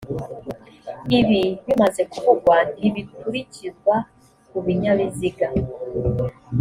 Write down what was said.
ibi bimaze kuvugwa ntibikurikizwa ku binyabiziga